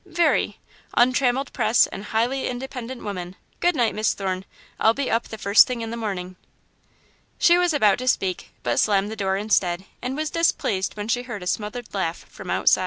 "Very. Untrammelled press and highly independent women. Good night, Miss Thorne. I'll be up the first thing in the morning." She was about to speak, but slammed the door instead, and was displeased when she heard a smothered laugh from outside.